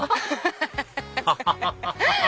ハハハハ！